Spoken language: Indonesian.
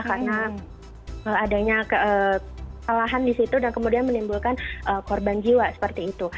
karena adanya kesalahan di situ dan kemudian menimbulkan korban jiwa seperti itu